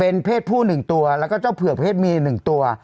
เป็นเพศผู้๑ตัวแล้วก็เจ้าเผือกเพศเมีย๑ตัว